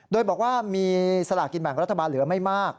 โดยบอกว่ามีสลากกินแบ่งรัฐบาลเหลือไม่มาก